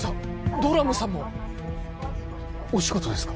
ドラムさんもお仕事ですか？